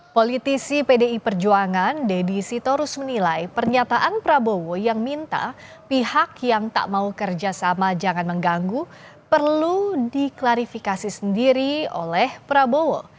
politisi pdi perjuangan deddy sitorus menilai pernyataan prabowo yang minta pihak yang tak mau kerjasama jangan mengganggu perlu diklarifikasi sendiri oleh prabowo